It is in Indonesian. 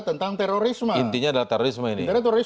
tentang terorisme intinya adalah terorisme ini